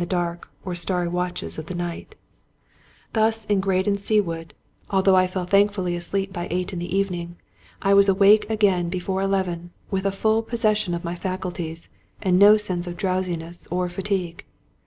the dark or starry watches of the night. Thus in Graden IS8 Robert Louis Stevenson Sea Wood, although I fell thankfully asleep by eight in the evening I was awake again before eleven with a full pos session of my faculties, and no sense of drowsiness or fatigue.